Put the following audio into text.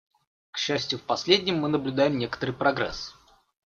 К счастью, в последнем мы наблюдаем некоторый прогресс.